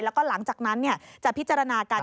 แล้วก็หลังจากนั้นจะพิจารณากัน